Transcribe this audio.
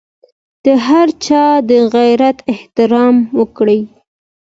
د هر چا د عزت احترام وکړئ.